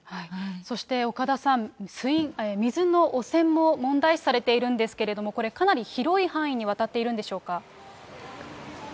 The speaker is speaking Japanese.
そして岡田さん、水の汚染も問題視されているんですけれども、これ、かなり広い範囲に渡っているんでしょうか。